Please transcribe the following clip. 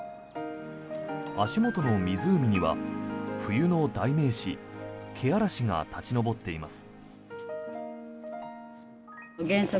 足元の湖には冬の代名詞けあらしが立ち上っています。